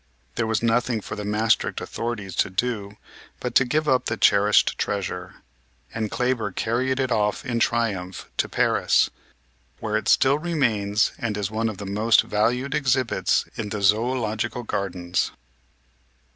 There was nothing for the Maestricht authorities to do but to give up the cherished treasure, and Kleber carried it off in triumph to Paris, where it still remains and is one of the most valued exhibits in the zoological gardens.